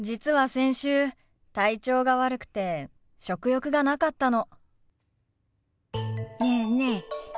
先週体調が悪くて食欲がなかったの。